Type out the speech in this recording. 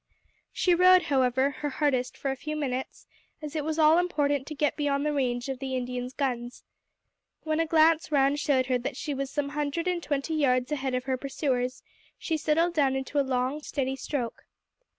She rowed, however, her hardest for a few minutes, as it was all important to get beyond the range of the Indians' guns. When a glance round showed her that she was some hundred and twenty yards ahead of her pursuers, she settled down into a long steady stroke.